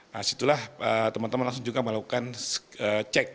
nah situlah teman teman langsung juga melakukan cek